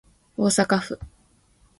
大阪府